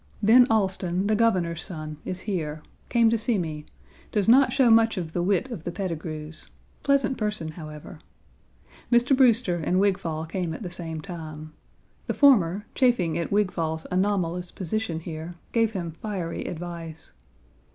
Ben Allston, the Governor's son, is here came to see me; does not show much of the wit of the Petigrus; pleasant person, however. Mr. Brewster and Wigfall came at the same time. The former, chafing at Wigfall's anomalous position here, gave him fiery advice.